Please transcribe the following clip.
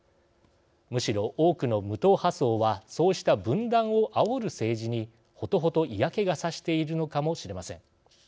むしろ多くの無党派層はそうした分断をあおる政治にほとほと嫌気がさしているのかもしれません。